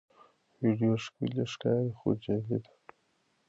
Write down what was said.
ویډیو ښکلي ښکاري خو جعلي ده.